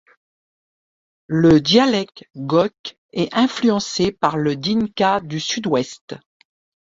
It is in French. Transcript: Le dialecte gok est influencé par le dinka du Sud-Ouest.